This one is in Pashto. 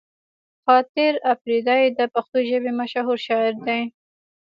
خاطر اپريدی د پښتو ژبې مشهوره شاعر دی